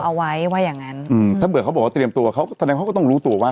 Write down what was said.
เอาไว้ว่าอย่างงั้นอืมถ้าเผื่อเขาบอกว่าเตรียมตัวเขาก็แสดงเขาก็ต้องรู้ตัวว่า